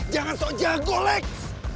jangan sok jago lex